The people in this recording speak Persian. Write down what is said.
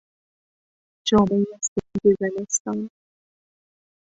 جامهی سپید زمستان